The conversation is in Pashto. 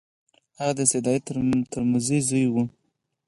هغه د سید علي ترمذي زوی وو.